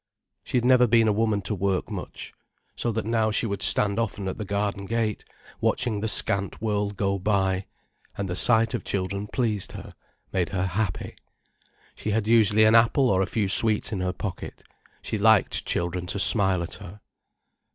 She had never been a woman to work much. So that now she would stand often at the garden gate, watching the scant world go by. And the sight of children pleased her, made her happy. She had usually an apple or a few sweets in her pocket. She liked children to smile at her.